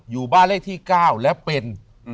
อยู่บ้านเลขที่๙แล้วเป็น